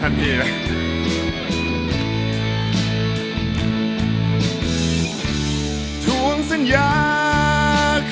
ขอบคุณมาก